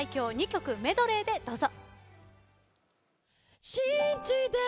２曲メドレーでどうぞ。